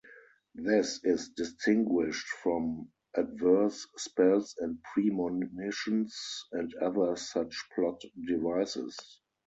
This is distinguished from adverse spells and premonitions and other such plot devices.